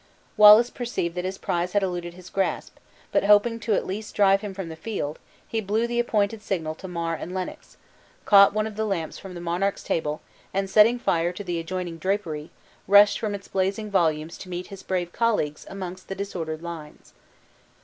Wallace perceived that his prize had eluded his grasp, but hoping to at least drive him from the field, he blew the appointed signal to Mar and Lennox; caught one of the lamps from the monarch's table and setting fire to the adjoining drapery, rushed from its blazing volumes to meet his brave colleagues amongst the disordered lines.